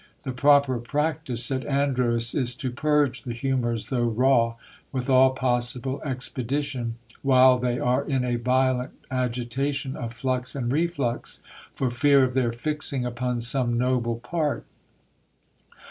The proper practice, said Andros, is to purge the humours, though raw, with all possible expedition, while they are in a violent agitation of flux and reflux, for fear of their fixing upon some noble part.